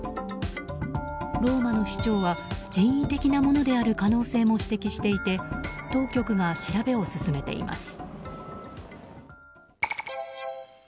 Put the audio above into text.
ローマの市長は人為的なものである可能性も指摘していて当局が調べを進めています。